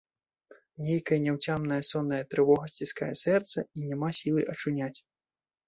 Нейкая няўцямная сонная трывога сціскае сэрца, і няма сілы ачуняць.